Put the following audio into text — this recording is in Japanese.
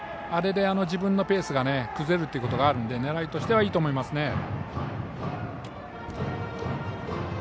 あれで自分のペースが崩れることがあるので狙いとしてはいいと思いますね。